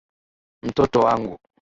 Mtoto wangu.